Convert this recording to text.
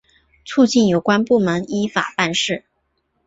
促进有关部门依法办事